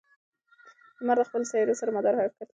لمر د خپلو سیارو سره مدار حرکت کوي.